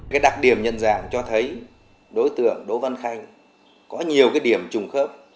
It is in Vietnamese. cái đặc điểm nhận dạng cho thấy đối tượng đỗ văn khanh có nhiều cái điểm trùng khớp